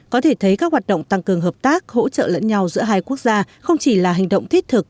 có thể thấy các hoạt động tăng cường hợp tác hỗ trợ lẫn nhau giữa hai quốc gia không chỉ là hành động thiết thực